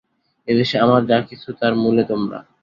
এ দেশে আমার যা কিছু, তার মূলে তোমরা।